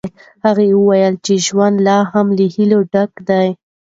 هغې وویل چې ژوند لا هم له هیلو ډک دی.